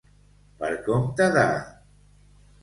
Per compte de.